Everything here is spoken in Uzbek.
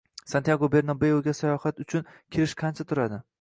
“Santyago Bernabeu”ga sayohat uchun qirish qancha turadi?